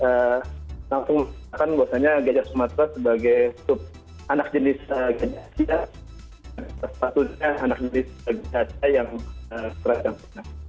dan sepatutnya anak jenis gajah yang seragam